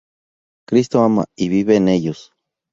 Cristo ama y vive en ellos.